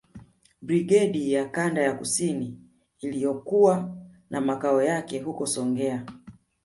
Brigedi ya Kanda ya Kusini iliyokuwa na makao yake huko Songea